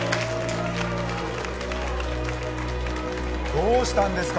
・どうしたんですか？